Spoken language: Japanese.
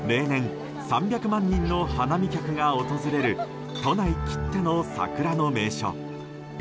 例年３００万人の花見客が訪れる都内きっての桜の名所。